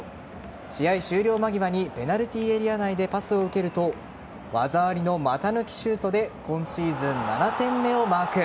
試合終了間際にペナルティーエリア内でパスを受けると技ありの股抜きシュートで今シーズン７点目をマーク。